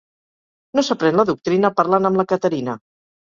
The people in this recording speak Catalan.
No s'aprèn la doctrina parlant amb la Caterina.